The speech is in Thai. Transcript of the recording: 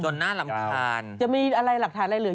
น่ารำคาญจะมีอะไรหลักฐานอะไรเหลือ